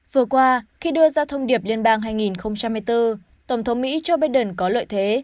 vừa qua khi đưa ra thông điệp liên bang hai nghìn hai mươi bốn tổng thống mỹ joe biden có lợi thế